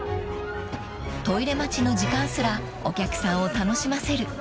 ［トイレ待ちの時間すらお客さんを楽しませる］